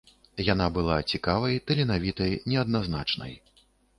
Яна была цікавай, таленавітай, неадназначнай.